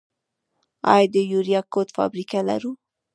آیا د یوریا کود فابریکه لرو؟